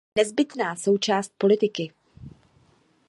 Nezbytná součást politiky.